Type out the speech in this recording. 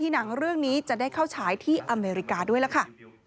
หนังเรื่องนี้จะได้เข้าฉายที่อเมริกาด้วยล่ะค่ะ